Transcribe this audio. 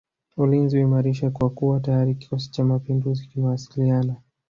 Ulinzi uimarishwe kwa kuwa tayari kikosi cha mapinduzi kimewasiliana